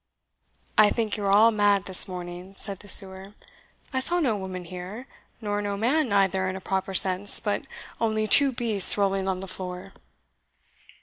"I think you are all mad this morning," said the sewer. "I saw no woman here, nor no man neither in a proper sense, but only two beasts rolling on the floor."